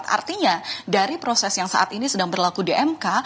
artinya dari proses yang saat ini sedang berlaku di mk